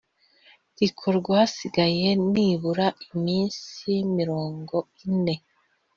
rikorwa hasigaye nibura iminsi mirongo ine